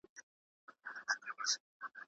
په داستان کې تخیل یو مهم عنصر دی.